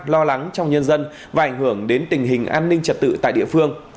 lo lắng trong nhân dân và ảnh hưởng đến tình hình an ninh trật tự tại địa phương